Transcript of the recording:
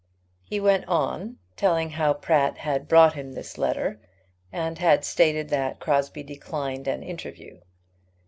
He went on telling how Pratt had brought him this letter, and had stated that Crosbie declined an interview.